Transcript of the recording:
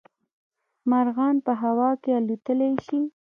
مارغان په هوا کې الوتلی شي